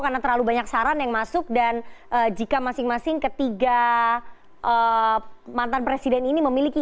karena terlalu banyak saran yang masuk dan jika masing masing ketiga mantan presiden ini memiliki